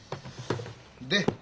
で？